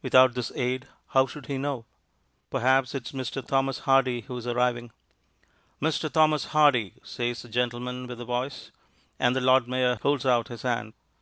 Without this aid, how should he know? Perhaps it is Mr. Thomas Hardy who is arriving. "Mr. Thomas Hardy," says the gentleman with the voice, and the Lord Mayor holds out his hand.